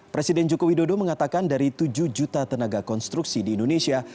presiden joko widodo mengatakan dari tujuh juta tenaga konstruksi di indonesia